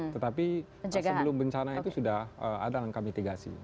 tetapi sebelum bencana itu sudah ada langkah mitigasi